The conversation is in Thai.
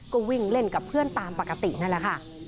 ก็วิ่งเล่นกับเพื่อนตามปกตินั่นแหละค่ะ